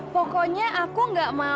pokoknya aku nggak mau